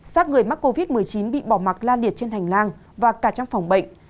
sát người mắc covid một mươi chín bị bỏ mặt la liệt trên hành lang và cả trong phòng bệnh